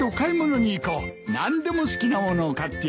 何でも好きな物を買ってやるぞ。